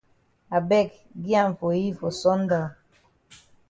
I beg gi am for yi for sun down.